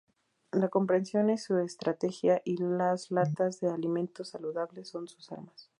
La comprensión es su estrategia y las latas de alimentos saludables son sus armas.